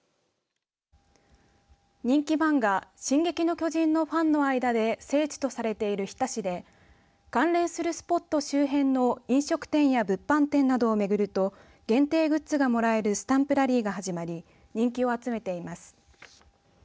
人気漫画進撃の巨人のファンの間で聖地とされている日田市で関連するスポット周辺の飲食店や物販店などを巡ると限定グッズがもらえるスタンプラリーが始まり人気を集めています。